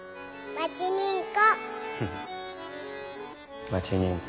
はちにんこ。